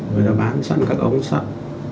rồi đó bán sắt các ống sắt